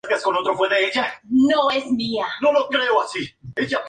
Sin embargo, la civilización islámica refinó e intensificó todos estos conceptos.